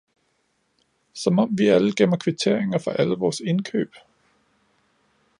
Som om vi alle gemmer kvitteringer for alle vores indkøb!